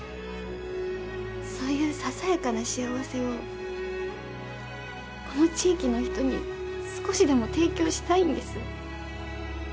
そういうささやかな幸せをこの地域の人に少しでも提供したいんです。